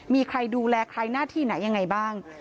มีใครดูแลใครหน้าที่ไหนยังไงบ้าง